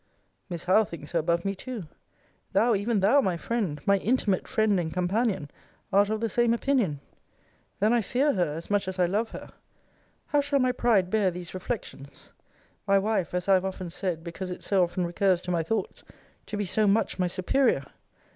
'* Miss Howe thinks her above me too. Thou, even thou, my friend, my intimate friend and companion, art of the same opinion. Then I fear her as much as I love her. How shall my pride bear these reflections? My wife (as I have often said, because it so often recurs to my thoughts) to be so much my superior!